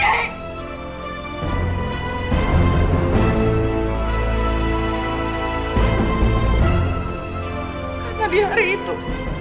karena di hari itu